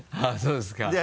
あぁそうですか。